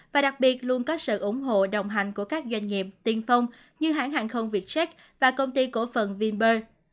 và đặc biệt luôn có sự ủng hộ đồng hành của các doanh nghiệp tiên phong như hãng hàng không vietjet và công ty cổ phần vinber